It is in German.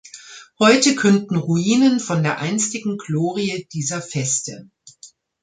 Heute künden Ruinen von der einstigen Glorie dieser Veste.